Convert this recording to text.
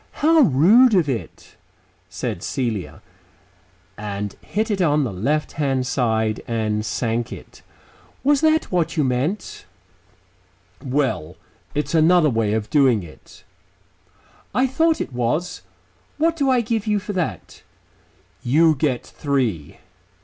"How rude of it," said Celia, and hit it on the left hand side, and sank it. "Was that what you meant?" "Well ... it's another way of doing it." "I thought it was. What do I give you for that?" "You get three."